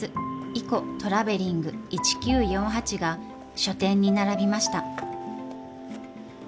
「イコトラベリング１９４８−」が書店に並びました。